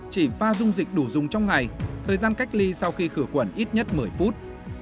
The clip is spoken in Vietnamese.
chỉ pha dung dịch đủ dùng trong ngày thời gian cách ly sau khi khử khuẩn ít nhất một mươi phút